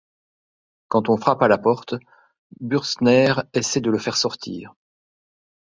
Quand on frappe à la porte, Bürstner essaie de le faire sortir.